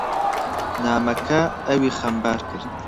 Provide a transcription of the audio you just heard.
نامەکە ئەوی خەمبار کرد.